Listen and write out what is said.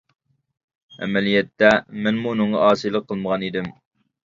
ئەمەلىيەتتە، مەنمۇ ئۇنىڭغا ئاسىيلىق قىلمىغان ئىدىم.